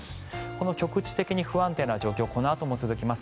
この局地的に不安定な状況はこのあとも続きます。